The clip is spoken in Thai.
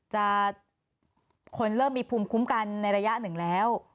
คนเริ่มมีภูมิคุ้มกันในระยะหนึ่งแล้ว